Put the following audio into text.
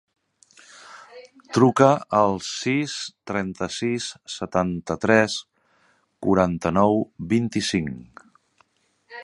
Truca al sis, trenta-sis, setanta-tres, quaranta-nou, vint-i-cinc.